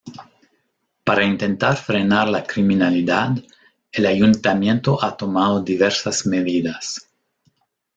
Para intentar frenar la criminalidad, el ayuntamiento ha tomado diversas medidas.